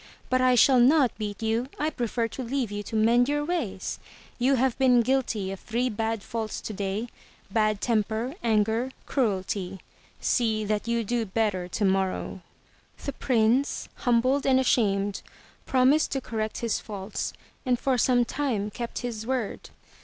But I shall not beat you; I prefer to leave you to mend your ways. You have been guilty of three bad faults today, bad 328 THROUGH FAIRY HALLS temper, anger, cruelty. See that you do better tomorrow/' The Prince, humbled and ashamed, promised to correct his faults and for some time kept his word.